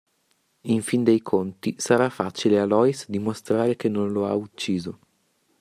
In fin dei conti, sarà facile a Lois dimostrare che non lo ha ucciso.